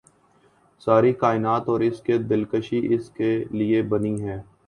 ساری کائنات اور اس کی دلکشی اس کے لیے بنی ہے